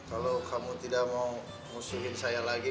kalau kamu tidak mau ngusulin saya lagi